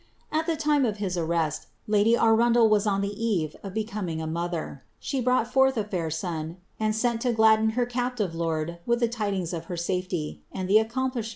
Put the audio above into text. At the lime of his arrest, lady Aruudel was on the eve of becoming a mother. She brought forth a fair son, and seni lo gladden her captive lord with the tidings of her safety, and the ac BLISABBTH.